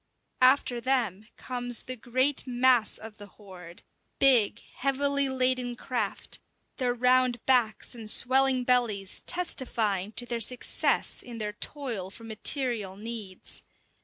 After them comes the great mass of the horde, big, heavily laden craft, their round backs and swelling bellies testifying to their success in their toil for material needs.